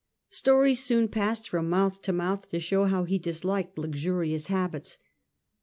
Stories soon passed from mouth to mouth to show how he disliked luxurious habits.